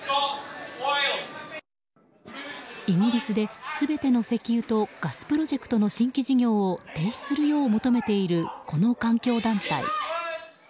イギリスで全ての石油とガスプロジェクトの新規事業を停止するよう求めているこの環境団体。